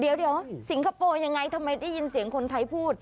เดี๋ยวสิงคโปร์ยังไงทำไมได้ยินเสียงคนไทยพูด